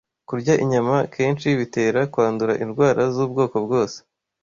kurya inyama kenshi bitera kwandura indwara z’ubwoko bwose